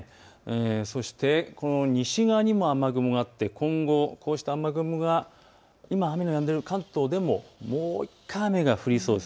そしてこの西側にも雨雲があって今後、こうした雨雲が今、雨のやんでいる関東でももう１回雨が降りそうです。